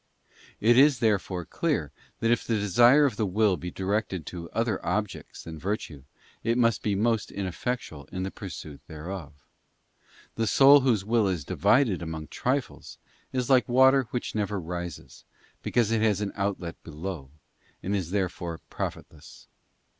It is, therefore, clear that if the desire of the will be directed to other objects than virtue it must be most ineffectual in the pursuit thereof. The soul whose will is divided among trifles, is like water which never rises, because it has an outlet below, and is therefore profitless.